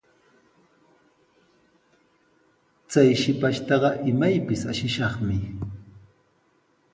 Chay shipashtaqa imaypis ashishaqmi.